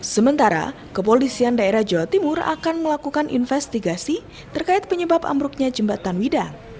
sementara kepolisian daerah jawa timur akan melakukan investigasi terkait penyebab ambruknya jembatan widang